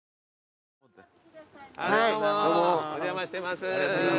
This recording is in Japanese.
お邪魔してます。